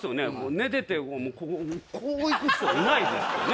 寝ててこういく人いないですよね